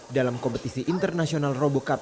dalam kompetisi internasional robo cup